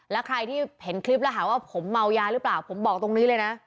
แล้วใครที่เห็นคลิปแล้วหาว่าผมเมายาหรือเปล่าผมบอกตรงนี้เลยนะ